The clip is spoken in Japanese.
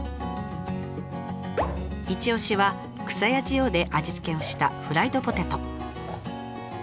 いち押しはくさや塩で味付けをしたフライドポテト。